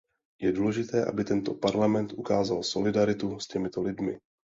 Je důležité, aby tento Parlament ukázal solidaritu s těmito lidmi.